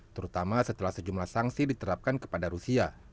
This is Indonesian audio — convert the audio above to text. terutama setelah sejumlah sanksi diterapkan kepada rusia